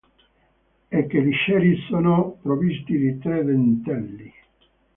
I cheliceri sono provvisti di tre dentelli.